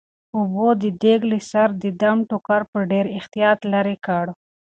ببو د دېګ له سره د دم ټوکر په ډېر احتیاط لیرې کړ.